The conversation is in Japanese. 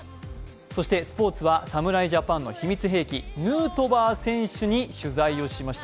そしてスポーツは侍ジャパンの秘密兵器ヌートバー選手に取材をしました。